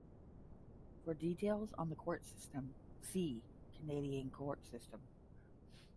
For details on the court system, see Canadian court system.